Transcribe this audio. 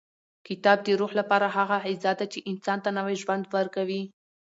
کتاب د روح لپاره هغه غذا ده چې انسان ته نوی ژوند ورکوي.